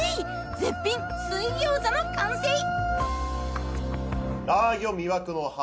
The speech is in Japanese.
絶品水餃子の完成いいよ！